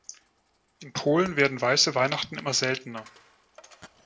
In Polen werden weiße Weihnachten immer seltener.